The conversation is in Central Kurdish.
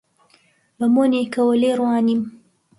بە مۆنێکەوە لێی ڕوانیم: